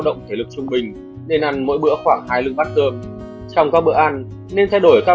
động thể lực trung bình để ăn mỗi bữa khoảng hai lưng vắt cơm trong các bữa ăn nên thay đổi các